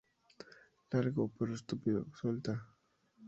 ¡ Largo, perro estúpido! ¡ suelta!